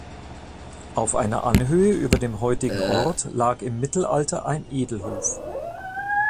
Auf einer Anhöhe über dem heutigen Ort lag im Mittelalter ein Edelhof.